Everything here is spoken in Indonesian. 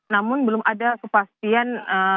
namun belum ada kepastian